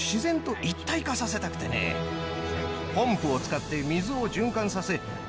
ポンプを使って水を循環させ。